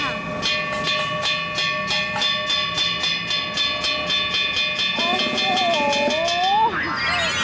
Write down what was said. โอ้โห